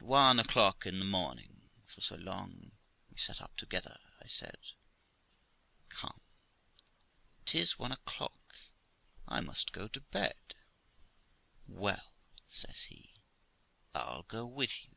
About one o'clock in the morning (for so long we sat up together), I said, 'Come, 'tis one o'clock; I must go to bed.' 'Well', says he, 'I'll go with you.'